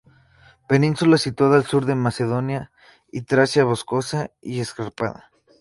Península situada al sur de Macedonia y Tracia, boscosa y escarpada.